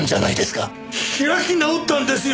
開き直ったんですよ